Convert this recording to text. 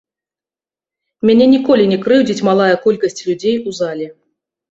Мяне ніколі не крыўдзіць малая колькасць людзей у зале.